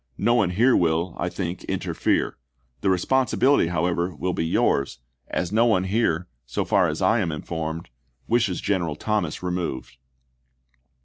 No one here will, I think, interfere. The responsibility, however, will be yours, as no HGrS,t0 one here, so far as I am informed, wishes General *&?' Thomas removed."